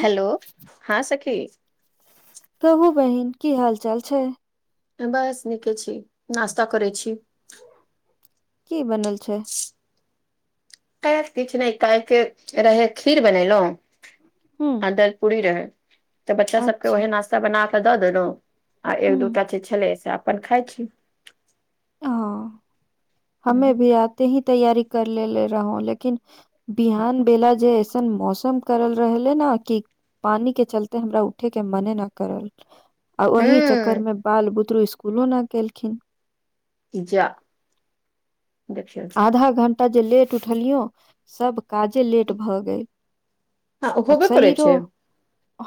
Hello हाँ सखी कहू बहिन की हाल चाल छै बस नीके छी नास्ता करे छी कि बनल छै [inaudible] [unintelligible] किछ नय काइलके रहे खीर बनेलो हूँ देल पूरी रहै तऽ बच्चा सबके अच्छा ओहे नाास्ता बनााक दऽ देलू आ एक दू हूँ टा चीज छलै से अपन खाइ छी हँ हमे भी आते ही तैयारी कर ले ले रहौ लेकिन बिहान बेला जे ऐसन मौसम करल रहले ने कि पानी के चलते हमरा उठे के मने न करल आ ओहि चक्कर हूँ मे बाल बुतरू स्कुलो न गेलखिन जा देखियो न आधा घंटा जे लेट उठलियो सब काजे लेट भऽ गेल हँ आ होबे करै शरीरो छै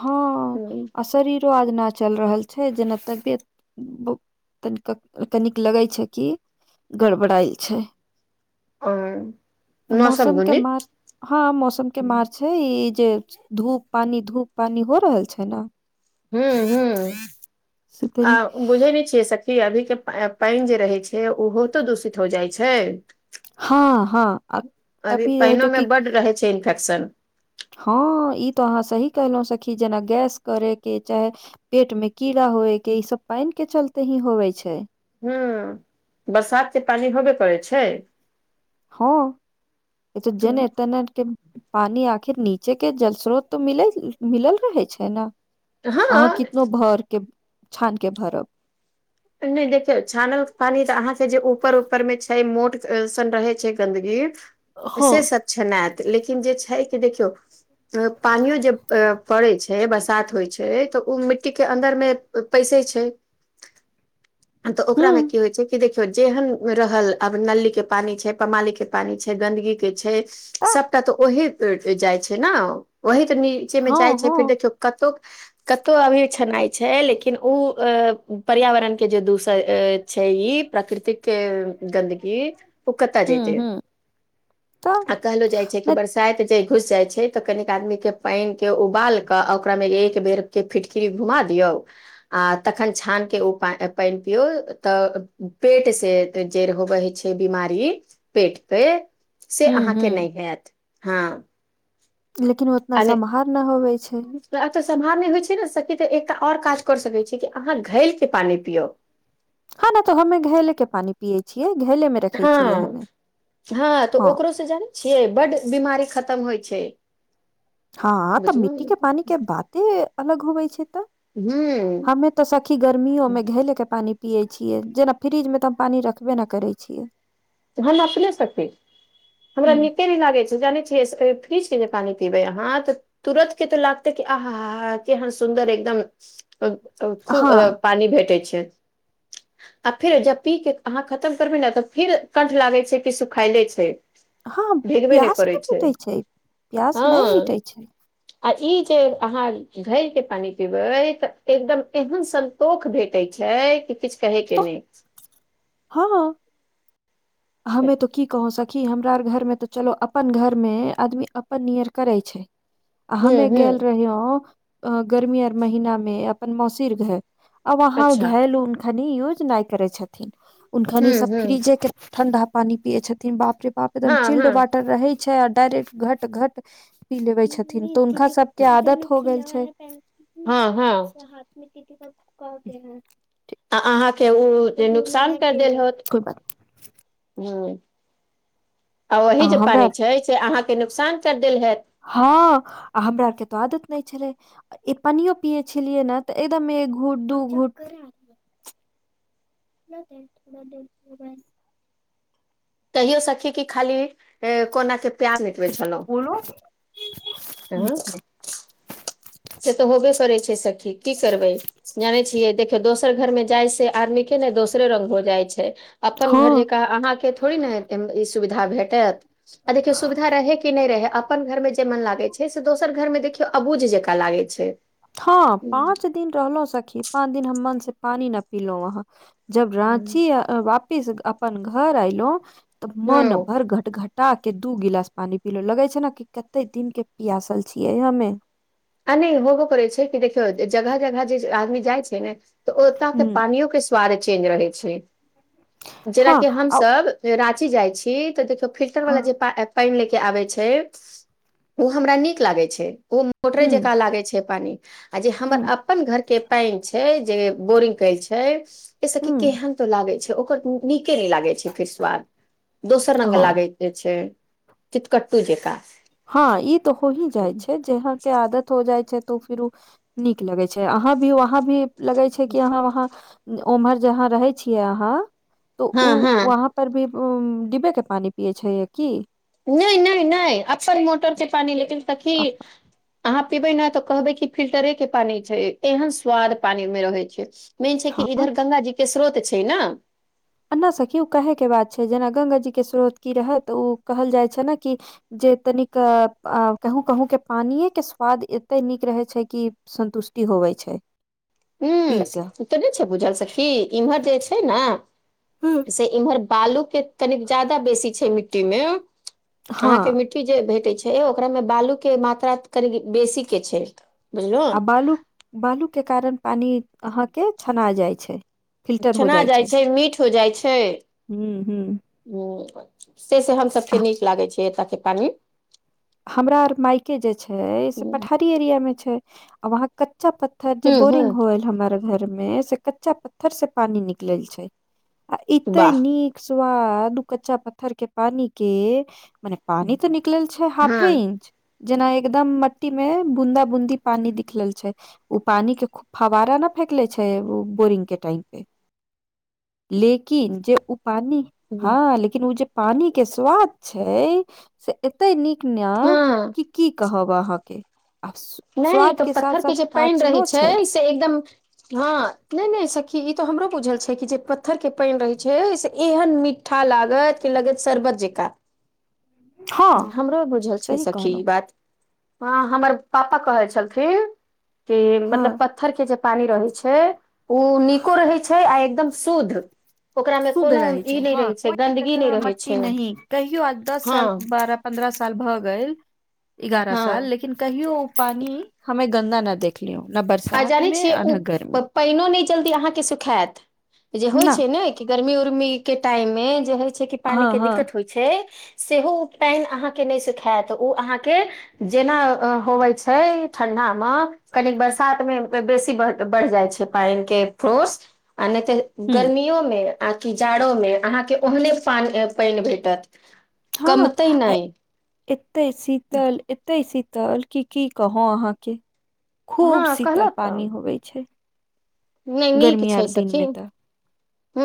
हँ हम्म, आ शरीर रो आज ना चल रहल छै जेना तबियत तनिक्क कनिक लगै छै कि गड़बड़ायल छै [unintelligible] मौसम के माइर हँ मौसम के माइर छै है ई जे धूप पानी धूप पानी हो रहल छै न हूँ हूँ से आ तनी बुझै नय छियै सखी खी अभी के पाइन जे रहै छै ओहो तो दूषित हो जाइ छै हँ हँ अभी है पाइनो जो मे कि बड रहै छै इन्फेक्शन हँ ई तऽ अहाँ सही कहलहुँ सखी जेना गैस करयकी चाहे पेट में कीड़ा होवे के ईं सब पानि के चलते ही होवे छै हूँ बरसात के पानि होबे करै छै हँ इ तऽ जने तने के पानि आखिर नीचे के जल स्रोत तऽ मिल मिलल रहे छै न अहाँ हँ कितनो भर के छान के भरब नइ देखियौ छानल पानी तऽ अहाँके जे ऊपर ऊपर मे छै मोट सन रहै छै गन्दगी हूँ से सब छनेत लेकिन जे छै कि देखियौ। पानियो जे पड़ै छै बरसात होइ छै तऽ ओ मिट्टी के अन्दर मे। पैसे छै। तऽ ओकरा मे की होइ छै कि देख -यो जेहन रहल आब नली के पानी छै पमाली के पानी छै गदगी के छै। सबटा तऽ ओही जाइ छै न ओही तऽ नीचे मे हँ जाइ छै हँ फेर देखियौ। कतौ कतौ अभी छनाइ छै लेकिन ओ पर्यावरण। के जे दूसर छै ई प्रकृतिक। के गन्दगी ओ कतऽ जेते। हूँ हूँ तऽ आ कहलो जाय छै कि बरसाइत जे घुस जाय छै तऽ कनीक आदमी के पैन के उबाल। ओकरा मे एक बेर के फिटकीरी घुमा दियौ आ तख छान के ओ पा पइन पियू तऽ पेट से जेड़ होबै छै बीमारी पेट पे से हूँ अहाँके हूँ नै हेएत हँ। लेकिन ओतना सम्हार ना होबै छै। ब [unintelligible] तऽ सम्हार नै होइ छै ने सकि त एकटा आओर काज क सकै‌ छी कि अहाँ घैल के पानि पियौ हँ न तो हमे घैेले के पानी पियै छियै घैेले मे रखे हँ छियै हमे हँ तऽ ओकरो सऽ जानै छियै बड्ड बीमारी खतम होइ छै हँ तऽ बुझलहु मिट्टी के पानी के बाते अलग होवे छै तऽ हुॅं हमे तऽ सखी गर्मियो मे घैले के पानि पियै छियै जेना फ्रिज मे तऽ हम पानि रखबे न करै छियै हम अपने सखी हमरा हूँ नीके नै लागे छै जानै छी [unintelligible] फ्रिज के पानि पीबै अहाँ तऽ तुरत के तऽ लागतै कि आहाहा केहन सुन्दर एकदम [unintelligible] खूब हँ पानी भेटै छै आ फेर जब पी के अहाँ खतम करबै ने तऽ फिर कंठ लागे छै कि सुखायले छै हँ भिगबे नय प्यास करै नहि छै मिटै प्यास हँ नहि मिटै छै आ ई जे अहाँ घैल के पानी पीबे तऽ एकदम एहन सं तोख भेटै छै कि किछ कहे के तऽ नै हँ हमे तो की कहो सक की हमरा आर घर में तऽ चलो अपन घर मे आदमी अपन नियर करै छै हूँ हमे हूँ गेल रहियौ अ गर्मी आर महिना मे अपन मौसीर घर आब वहा अच्छा घैल‌उल खनि यूज नय करै छथिन उनखनि हूँ सब हूँ फ्रीजे के ठंडा पानी पिये छथिन बाप रे बाप एकदम हँ चिल्ड हँ वाटर रहै छै आ डायरेक्ट घट घट पी लेबे छथिन तऽ हुनका सबके आदत हो गेल छै त [inaudible] हँ हँ ठी [inaudible] आ अहाँके उ जे नुकसान कैर देल होत कोइ बात हुॅं आ ओही जे पानी छै से अहाँके नुकसान कर देल हैत हँ आ हमरा आरके त आदत नै छलै ए पानीओ पीए छेलियै ने तऽ एकदम एक घुट दू घुट [inaudible] कहियो सखी कि खाली [unintelligible] कोना के प्यार निटबै छलौ बोलो [unintelligible] से तऽ होबे करे छै सखी की करबै जानै छियै देखियौ दोस दोसर घर में जाइ से आदमी के नऽ दोसरे रंग भऽ जाइ छै अपन घर हँ जेकाँ अहाँके थोड़े ने ई सुविधा भेटत आ देखियौ सुविधा रहै कि नै रहै अपन घरमे जे मन लागै छै से दोसर घरमे मे देखियौ अबुझ जेक हँ पाँच दिन रहलो सखी पाँच दिन हम मन से पानी नऽ पीलो वहाँ जब राची वापिस अपन घर अयलो तऽ मन हँ भर घट घट पटा के दू गिलास पानी पीलो लगे छै नऽ कि कते दिन के पियासल छियै हमे आ नैय होबो करै छै कि देखियौ जगह जगह जे आदमी जाय छै ने तऽ ओत के हँ पानियो के स्वाद चेंज रहै छै जेना की ह हमसब राँची जाइ छी तऽ देखियौ फिल्टर ह बला जे पा ए पइन लेके आबै छैय उऽ हमरा निक लागै छै मोटरे जेकाँ लागे छै पानी आ जे हमर अपन घर के पाइन छै जे बोरिंग काइल छै ए सखि ह केहन लागे छै ओकर नीके नैय लागे छै फेर स्वाद दोसर रंग हँ लागै छै चितकट्टू जेका हँ ई तऽ हो ही जाइ छै जहाके आदत हो जाइ छै तो फिर उ नीक लगै छै अहाँ भी वहाँ भी लगै छै कि अहाँ वहाँ उम्हर जहाँ रहे छियै अहाँ तो हँ उ हँ वहा पर भी उ डिब्बे के पानी पियए छै यऽ की नहि नहि नहि अक्सर मोटर के पानी लेकिन सकी अहाँ पीबै ने तऽ कहबै कि फिल्टरे के पानी छै एहन स्वाद पानी मऽ रहै छै मेन छै कि इधर गंगा जी के स्रोत छै नऽ एन्ना सकी ओ कहे के बात छै जेना ग्ंगा जी के स्रोत की रहय तऽ ओ कहल जाय छै नऽ कि जे तनिक कहूँ कहूँ के पानिेके स्वाद एते नीक रहै छै कि संन्तुष्टि होवै छै पी के हू तऽ नहि छै बुझल सखी इम्हर जे छै ने से इम्हर बालू के कनिक ज्यदा बेसी छै मिट्टी मे हँ अहाँके मिट्टी कटी जे भेटै छै ओकरामे बालू के मात्रा कनि बेसी के छै आ बुझलहु बालू बालू के कारण पानी अहाँके छना जाइ छैय छना जाइ छै मीठ हो जाइ छै हूँ हूँ हू से से हम सबके नीक लागे छै एतय के पानि हमरा आर मायके जे छै से पठारी एरिया मे छै आ वहाँ कच्चा प पत्थर ह जे ह बोरिंग होल हमरा घर में से कच्चा पत्थर से पानी निकले छै आ एते वाह नीक स्वाद उऽ कच्चा पत्थर के पानी के मने पानी तऽ निकले छै हा हँ जेना एकदम मट्टी मे बूंदा बूंदी पानी दिखलल छै ओ पानी के फवारा नऽ फेेकले छै ओ बोरिंग के टाइम पे लेकिन जे उऽ पानी हम्म, हँ लेकिन ओ जे पानी के स्वाद छै से एते नीक निक हँ की कहब अहाँके नहि स्वाद तऽ साथ पत्थर साथ के जे पानि रहै पाचनो छै से एकदम हँ नहि नहि सखी ई तो हमरो बुझल छै कि जे पत्थर के पानि रहे छै से एहन मिठ ठा लागत कि लगत सरबत जेका [inaudible] हँ [inaudible] हमरो बुझल छै सही सखी ई कहलहुँ बात [inaudible] हँ हमर पापा कहै छलखिन [inaudible] कि मतलब हँ पत्थर केँ जे पानी रहै छै ओ नीको रहै छै आ एकदम शुद्ध ओकरामे शुद्ध कोनो रहै छै ई नहि हँ रहै छै कोइ गन्दगी नहि कचरा रहै मट्टी छै नहीं कहीयो आ दस हँ साल बार पन्द्रह साल भऽ गेल एगारह हँ साल लेकिन कहियो ओ पानी हमे गन्दा न देख देखलियौ न बरसात मे आ न गर्मी पैनो ने जल्दी अहाँ केँ सुखायत जे होय न छै ने कि गर्मी उर्मी केँ टाइम मे जे होय छै की पान हँ हँ दिक्कत होइ छै सेहो ओ पाइन अहाँकेँ नै सुखैत ओ अहाँकेँ जेना होबै छै ठंडा मे कनी बरसा में बेसी बढ़ जाइ छै पाइन केँ फ्रोस आ नै तऽ ह गर्मियो में आ कि जाड़ो में अहाँकेँ ओहने पा पैन भेटत हँ कमतै आ नहि [inaudible] एते शीतल एत्ते शीतल की की कहुँ अहाँकेँ खूब हँ शीतल कहलहुँ तऽ पानी होवे छै नहि [inaudible] नीक गर्मी आर छै दिन में सखी तऽ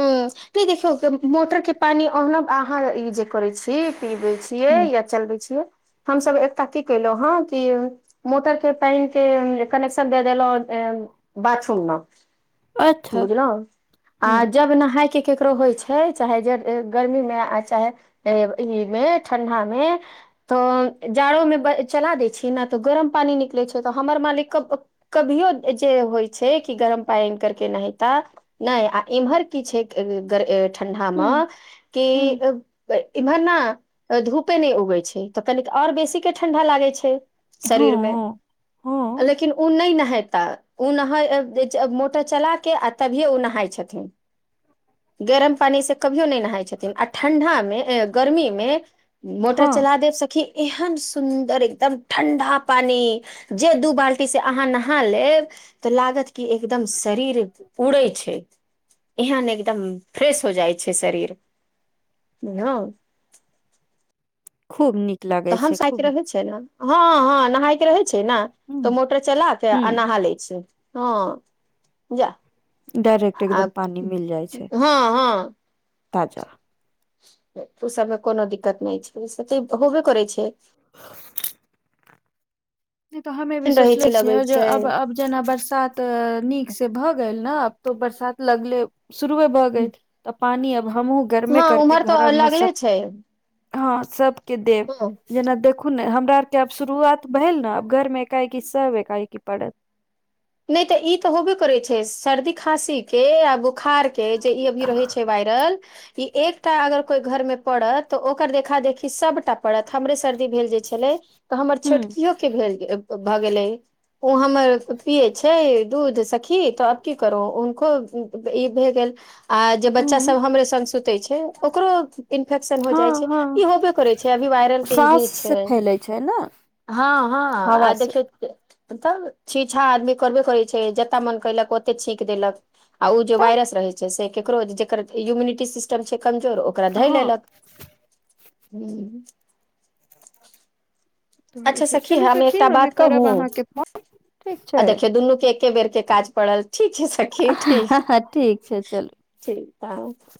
[unintelligible] मोटर के पानी ब अहाँ जे करे छी पीबे छी छिय ह या चलबै छियै हम सब ऐत की कैलु हँ कि मोटर केँ पाइन केँ कनेक्शन दे देलौं बाथरूम मे अच्छा बुझल [inaudible] आ ह जब नैहाय केँ ककरो होइ छै चाहे जे गर्मीमे आ चाहे ऐब ई मे ठंडा में तऽ जाड़ोमे चला दै छियै ने तऽ गरम पानी निकलैत छै तऽ हमर मालिक कब कभियो जे होइ छै कि गरम पन करके नहिता नहि आ इम्हर की छै [unintelligible] ठंडा ह मे ह [inaudible] की हँ इम्हर ना धूपे नै उगै छै तऽ कनी और बेसी केँ ठंडा लागे छै। शरीर में हँ हँ [inaudible] लेकिन ओ नै नहैता ओ [unintelligible] मोटर चला के आ तभियए ओ नहाय छथिन। गरम पानी से कभियो नै नहाइ छथिन आ ठण्डा मे गर्मीमे। मोटर हँ चला देब सखी एहन सुन्दर एकदम ठण्डा पानी। जे दू बाल्टीसँ अहाँ नहा लेब। तऽ लागत की एकदम शरीर उड़ै छै। एहन एकदम फ्रेश हो जाइ छै शरीर [inaudible] बुझलौ खूब नीक। तऽ लागै छै हमसाय कऽ खूब रहै छै ने हँ हँ नहाय कऽ रहे छै न तऽ मोटर चला त ह आ नहा ले छै हँ [inaudible] जा। डायरेक्ट [inaudible] आ एकदम पानी मिल जाइ छै [inaudible] हँ हँ। ताजा। ओ सबमे कोनो दिक्कत नै छै ओ सब तऽ होबे करै छै। [unintelligible] नै तऽ हमे भी रहै सोचले छै लगै छियै जे छै अब आब। जेना बरसात नीक से भऽ गेल ने आब तो बरसात लगले। शुरूए भऽ गेल तऽ पानी आब हमहूँ गर्मे हँ करके उम्हर तऽ घरमे लगले सभ। छै [inaudible] हँ सब केँ देब हँ जेना देखु न हमरा आर केँ आब शुरुआत भेल न अब घर में ऐका ऐकी सब ऐका एकी पड़त। नहि तऽ ई तऽ हैबेकरे छै सर्दी खााँसी के आ बोखार के जे ई अभी रहे छै वैर ई एकटा अगर कोई घर मे पड़त तऽ ओकर देखा देखेी सबटा। हमरेसर्दी भेल छलेतहमर हूँ छोटकीओके भगेलैओहमर। पियै छै दूध सखी तऽ आब की करो हुनको ई भए गेलै। आ जे बच्चा हूँ सब हमरोसङ्ग सुतै छै ओकरो इन्फेक्शन भ जाइ हँ छैय ई हँ होबे करै छैय अभी वायरल के साँस इहे से छै फैले छै ने हँ हँ हवा आ से देखियौ। तब छी छा आदमी करबे करै छै जतय मन कयलक ओते छींक देलक आ ओ जे वायरस रहे छै से केकरो जेकर इम्यूनिटी सिस सभसेकंजर ओकरा धय हँ लेलक तऽ होइ अच्छा छै सखी चलू हमएकटा हमे बात कहू करब अहाँके फोन ठीक आ छै देखियौऔ दुनू के। एके बेर के काज पड़ल ठीक छैसखी हँ ठीक हँ ठीक छै चलू ठीक त।